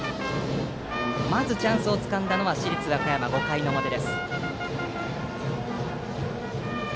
まずチャンスをつかんだのは市立和歌山、５回の表。